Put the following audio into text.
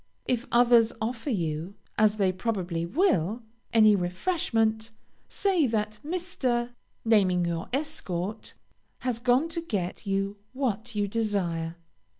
If others offer you, as they probably will, any refreshment, say that Mr. (naming your escort) has gone to get you what you desire.